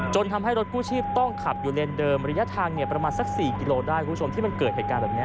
ทำให้รถกู้ชีพต้องขับอยู่เลนเดิมระยะทางประมาณสัก๔กิโลได้คุณผู้ชมที่มันเกิดเหตุการณ์แบบนี้